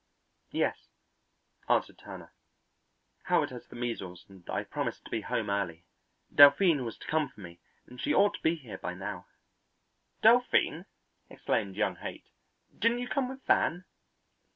"Yes," answered Turner; "Howard has the measles and I promised to be home early. Delphine was to come for me and she ought to be here now." "Delphine?" exclaimed young Haight. "Didn't you come with Van?"